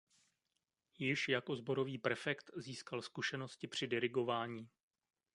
Již jako sborový prefekt získal zkušenosti při dirigování.